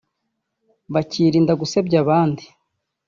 bakirinda gusebya abandi